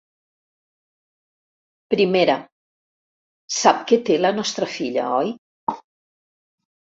Primera: sap què té la nostra filla, oi?